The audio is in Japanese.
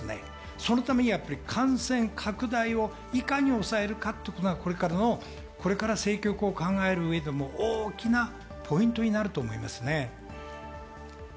そのためには感染拡大をいかに抑えるかっていうことがこれから政局を考える上でも大きなポイントになると思います。